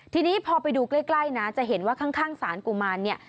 ทีนี้พอไปดูใกล้นะจะเห็นว่าข้างสารกุมารเนี่ย